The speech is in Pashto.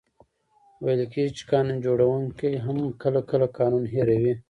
ویل کېږي چي قانون جوړونکې هم کله، کله قانون هېروي.